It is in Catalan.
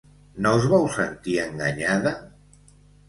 No us vau sentir enganyada?